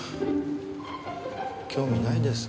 興味ないです。